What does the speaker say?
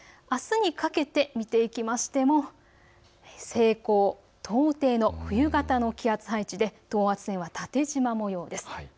あすにかけて見ていきましても西高東低の冬型の気圧配置で等圧線が縦じま模様です。